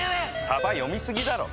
さば読みすぎだろ！